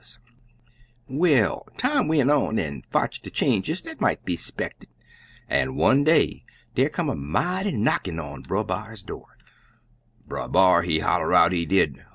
"Well, time went on an' fotched de changes dat might be spected, an' one day dar come a mighty knockin' on Brer B'ar's do'. Brer B'ar, he holla out, he did.